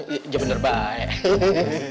jangan bener baik